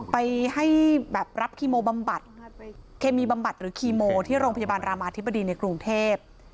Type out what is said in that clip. ไปให้แบบรับคีโมบำบัดเคมีบำบัดหรือคีโมที่โรงพยาบาลรามาธิบดีในกรุงเทพ